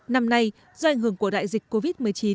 năm nay do ảnh hưởng của đại dịch covid một mươi chín